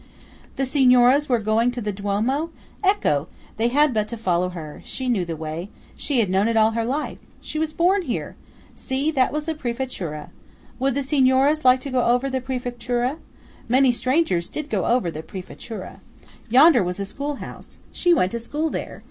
"The Signoras were going to the Duomo? Ecco! They had but to follow her. She knew the way. She had known it all her life. She was born here! See, that was the Prefettura. Would the Signoras like to go over the Prefettura? Many strangers did go over the Prefettura. Yonder was the schoolhouse. She went to school there.